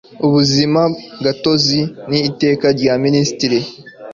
ubuzimagatozi n Iteka rya Minisitiri